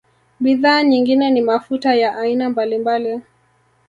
Bidhaa nyingine ni mafuta ya aina mbalimbali